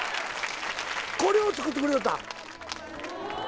これを作ってくれよったん？